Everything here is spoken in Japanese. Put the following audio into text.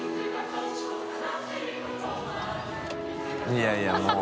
いやいやもう。